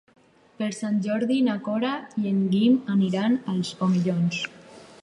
Per Sant Jordi na Cora i en Guim aniran als Omellons.